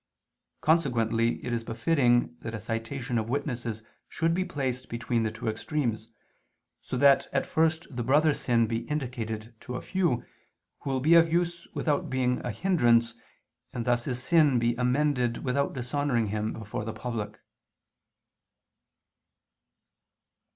Consequently it is befitting that a citation of witnesses should be placed between the two extremes, so that at first the brother's sin be indicated to a few, who will be of use without being a hindrance, and thus his sin be amended without dishonoring him before the public.